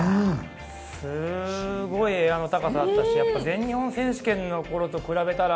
すごいエアの高さだったし、全日本選手権の頃と比べたら